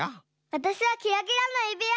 わたしはキラキラのゆびわ！